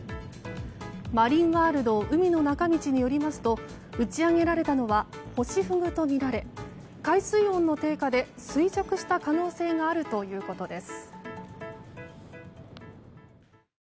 マリンワールド海の中道によりますと打ち揚げられたのはホシフグとみられ海水温の低下で衰弱した可能性があるということです。